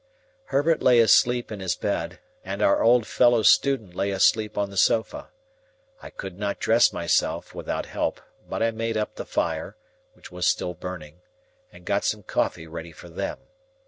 Herbert lay asleep in his bed, and our old fellow student lay asleep on the sofa. I could not dress myself without help; but I made up the fire, which was still burning, and got some coffee ready for them.